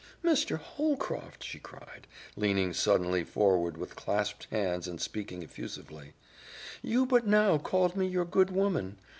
"Mr. Holcroft," she cried, leaning suddenly forward with clasped hands and speaking effusively, "you but now called me your good woman.